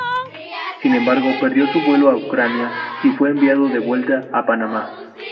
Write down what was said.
Sin embargo, perdió su vuelo a Ucrania y fue enviado de vuelta a Panamá.